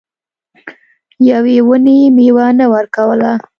یوې ونې میوه نه ورکوله.